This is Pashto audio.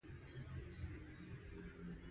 • مینه د وفا نښه ده.